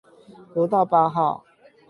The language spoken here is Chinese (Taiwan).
國道八號